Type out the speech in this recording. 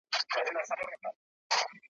کله کله مي را وګرځي په زړه کي `